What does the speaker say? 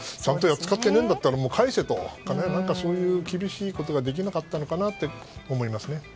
使っていないんだったら返せと、そういう厳しいことができなかったのかなと思いますね。